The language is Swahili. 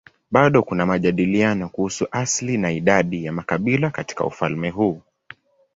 Bado kuna majadiliano kuhusu asili na idadi ya makabila katika ufalme huu.